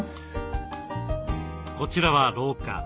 こちらは廊下。